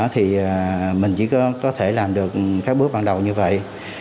thì mình chỉ có thể làm được các bước ban đầu như vậy